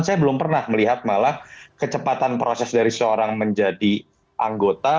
saya belum pernah melihat malah kecepatan proses dari seorang menjadi anggota